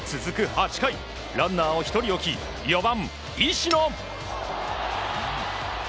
８回ランナーを１人置き４番、石野。